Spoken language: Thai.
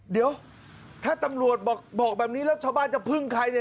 เดี๋ยวถ้าตำรวจบอกแบบนี้แล้วชาวบ้านจะพึ่งใครเนี่ย